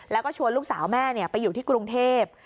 แล้วก็ชวนลูกสาวแม่ไปอยู่ที่กรุงเทพ